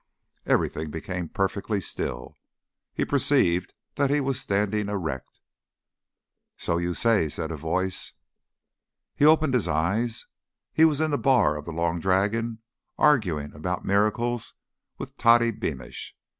Everything became perfectly still. He perceived that he was standing erect. "So you say," said a voice. He opened his eyes. He was in the bar of the Long Dragon, arguing about miracles with Toddy Beamish.